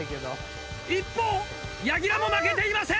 一方柳楽も負けていません。